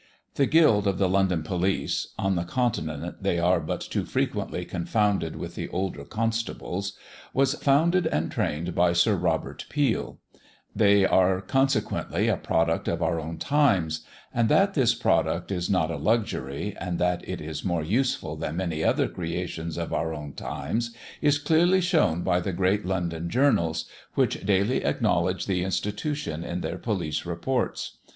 The Guild of the London police (on the continent they are but too frequently confounded with the older constables) was founded and trained by Sir Robert Peel; they are consequently a product of our own times; and that this product is not a luxury, and that it is more useful than many other creations of our own times is clearly shewn by the great London journals, which daily acknowledge the institution in their police reports.